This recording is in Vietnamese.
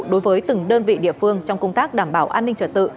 đối với từng đơn vị địa phương trong công tác đảm bảo an ninh trật tự